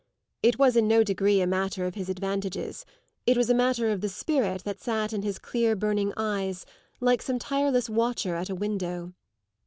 It was in no degree a matter of his "advantages" it was a matter of the spirit that sat in his clear burning eyes like some tireless watcher at a window.